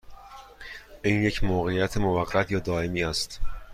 این یک موقعیت موقت یا دائمی است؟